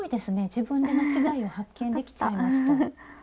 自分で間違えを発見できちゃいました。